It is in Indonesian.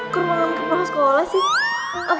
kok mau nangkep nangkep sekolah sih